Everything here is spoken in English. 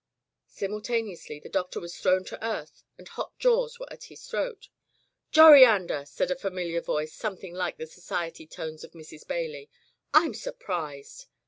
'* Simultaneously the Doctor was thrown to earth and hot jaws were at his throat. " Joriander!'' said a familiar voice, some thing like the society tones of Mrs. Bailey, rm surprised."